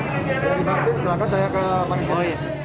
yang divaksin silahkan daya kemanusiaan